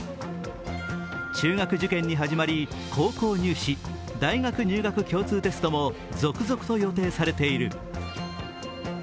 中学受験に始まり、高校入試大学入学共通テストも続々と予定されている。